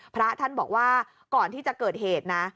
พระท่านบอกว่าก่อนที่จะเกิดเหตุนะ